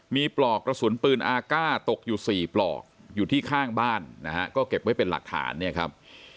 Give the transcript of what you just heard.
มีปลอกกระสุนปืนอาก้าตกอยู่๔ปลอกอยู่ที่ข้างบ้านนะฮะก็เก็บไว้เป็นหลักฐานเนี่ยครับ